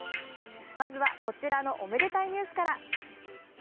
まずはこちらのおめでたいニュースから。